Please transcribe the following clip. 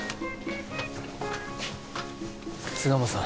巣鴨さん